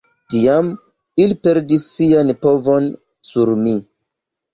Tiam ili perdis sian povon sur mi.